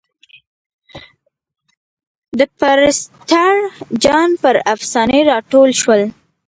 د پرسټر جان پر افسانې را ټول شول.